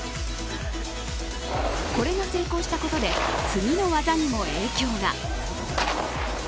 これが成功したことで次の技にも影響が。